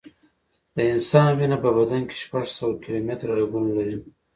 د انسان وینه په بدن کې شپږ سوه کیلومټره رګونه لري.